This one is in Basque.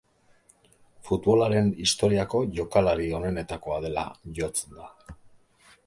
Futbolaren historiako jokalari onenetakoa dela jotzen da.